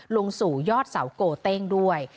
ลงสู่ยอดเสาโกเต้งด้วย